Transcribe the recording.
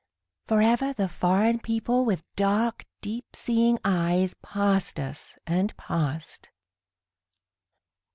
Forever the foreign people with dark, deep seeing eyes Passed us and passed.